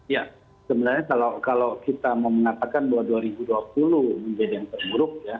ya sebenarnya kalau kita mau mengatakan bahwa dua ribu dua puluh menjadi yang terburuk ya